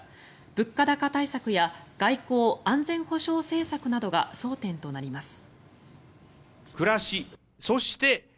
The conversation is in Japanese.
物価高対策や外交・安全保障政策などが争点となります。